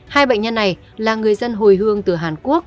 hai bệnh nhân này là người dân hồi hương từ hàn quốc